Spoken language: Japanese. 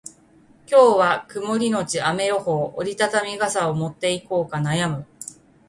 今日は曇りのち雨予報。折り畳み傘を持っていこうか悩む。